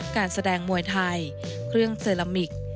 การแสดงมวยไทยเครื่องเซรามิก